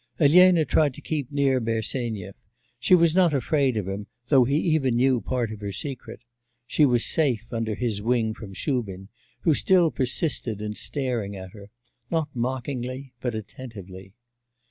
Elena tried to keep near Bersenyev; she was not afraid of him, though he even knew part of her secret; she was safe under his wing from Shubin, who still persisted in staring at her not mockingly but attentively.